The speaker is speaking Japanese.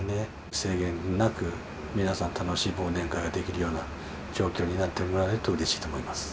制限なく皆さん、楽しい忘年会ができるような状況になってもらえるとうれしいと思います。